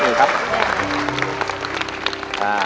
เชิญครับนิวครับ